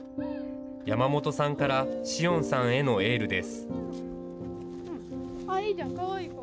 山本さんから紫桜さんへのエールです。